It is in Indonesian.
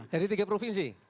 dari tiga provinsi